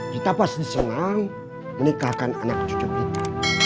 kita pasti senang menikahkan anak cucu kita